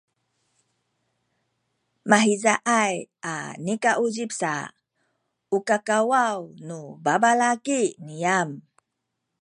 mahizaay a nikauzip sa u kakawaw nu babalaki niyam